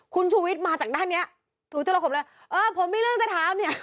คุณชูวิทย์มาจากด้านเนี้ยถูจรขมเลยเออผมมีเรื่องจะถามเนี่ย